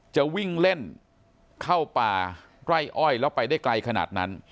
จะวิ่งเล่นเข้าป่าไร่อ้อยแล้วไปได้ไกลขนาดนั้น